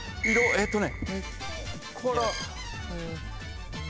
えーっとね。